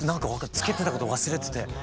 着けてたこと忘れてて２枚。